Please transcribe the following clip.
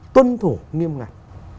tuân thủ nghiêm ngặt